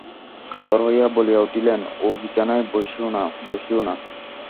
কাতর হইয়া বলিয়া উঠিলেন, ও বিছানায় বসিয়ো না, বসিয়ো না।